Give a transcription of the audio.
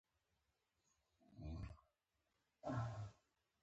اندړ په سړه سينه د هغه سړي اړوند خبرې شروع کړې